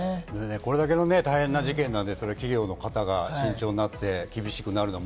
これだけの大変な事件なので、企業の方が慎重になって厳しくなるのは